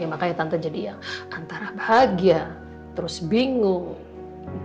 ya makanya tante jadi yang antara bahagia terus bingung